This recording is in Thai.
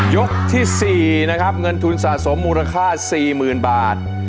ยกที่๔นะครับเงินทุนสะสมมูลค่า๔๐๐๐บาท